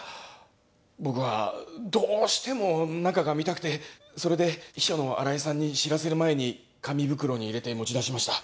僕はどうしても中が見たくてそれで秘書の新井さんに知らせる前に紙袋に入れて持ち出しました。